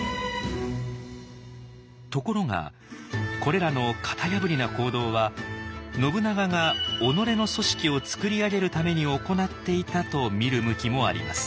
ところがこれらの型破りな行動は信長が己の組織をつくり上げるために行っていたと見る向きもあります。